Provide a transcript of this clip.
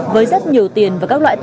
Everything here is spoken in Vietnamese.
với rất nhiều tiền và các loại ổ khóa